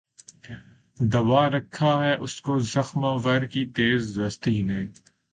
دبا رکھا ہے اس کو زخمہ ور کی تیز دستی نے